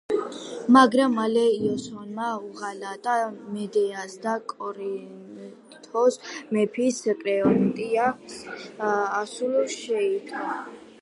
მაგრამ მალე იასონმა უღალატა მედეას და კორინთოს მეფის კრეონტის ასული შეირთო.